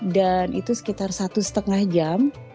dan itu sekitar satu lima jam